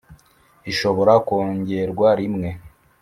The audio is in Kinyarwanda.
Ishobora kongerwa rimwe.